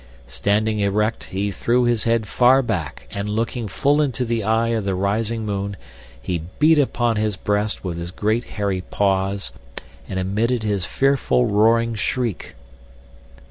Standing erect he threw his head far back and looking full into the eye of the rising moon he beat upon his breast with his great hairy paws and emitted his fearful roaring shriek.